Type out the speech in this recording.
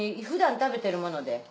ふだん食べてるもので。